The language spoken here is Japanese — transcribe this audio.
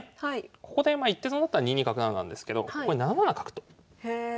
ここでまあ一手損だったら２二角成なんですけどここで７七角とへえ。